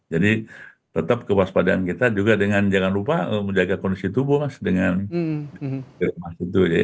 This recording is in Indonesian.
jadi tetap kewaspadaan kita juga dengan jangan lupa menjaga kondisi tubuh dengan mas itu ya